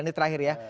ini terakhir ya